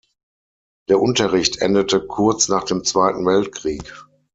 Der Unterricht endete kurz nach dem Zweiten Weltkrieg.